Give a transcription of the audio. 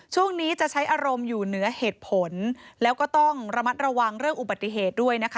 ช่วงนี้จะใช้อารมณ์อยู่เหนือเหตุผลแล้วก็ต้องระมัดระวังเรื่องอุบัติเหตุด้วยนะคะ